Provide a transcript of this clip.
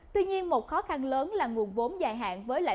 tuy nhiên một khó khăn lớn là nguồn vốn dài hạn